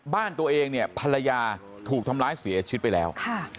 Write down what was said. บ้านตัวเองเนี่ยภรรยาถูกทำร้ายเสียชีวิตไปแล้ว